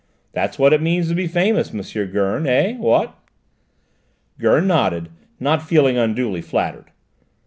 That's what it means to be famous, M. Gurn; eh, what?" Gurn nodded, not feeling unduly flattered.